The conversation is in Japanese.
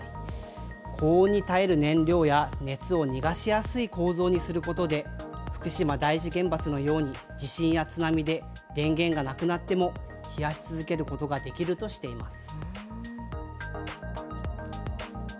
高温に耐える燃料や熱を逃がしやすい構造にすることで、福島第一原発のように、地震や津波で電源がなくなっても、冷やし続けることができるとしています。